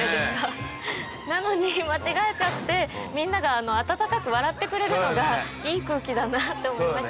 なのに間違えちゃってみんなが温かく笑ってくれるのがいい空気だなって思いましたね。